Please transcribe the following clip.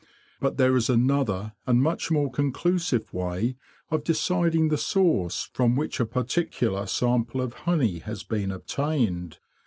But there is another and much more conclusive way of deciding the source from which a particular sample of honey has been obtained.